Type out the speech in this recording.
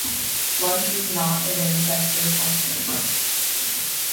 Lunch was not a very festive function.